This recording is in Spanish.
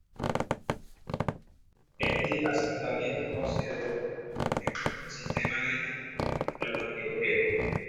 Este asentamiento es considerado un valioso ejemplo del sistema agrícola de los antiguos griegos.